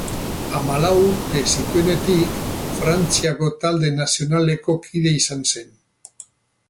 Hamalau urte zituenetik, Frantziako talde nazionaleko kide izan zen.